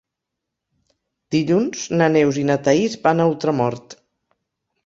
Dilluns na Neus i na Thaís van a Ultramort.